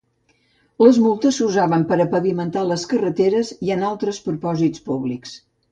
Les multes s'usaven per a pavimentar les carreteres i en altres propòsits públics.